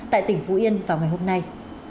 tại tỉnh phú yên vào ngày hôm nay